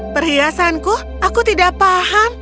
perhiasanku aku tidak paham